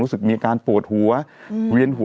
เราก็มีความหวังอะ